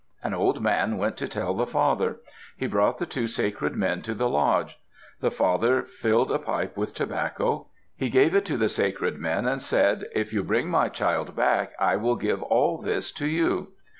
An old man went to tell the father. He brought the two sacred men to the lodge. The father filled a pipe with tobacco. He gave it to the sacred men, and said, "If you bring my child back, I will give all this to you."